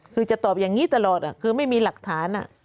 คือจะตอบอย่างนี้ตลอดคือไม่มีหลักฐาน